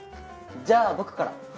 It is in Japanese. じゃあ僕から。